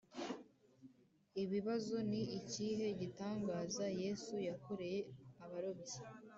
Ibibazo Ni ikihe gitangaza Yesu yakoreye abarobyi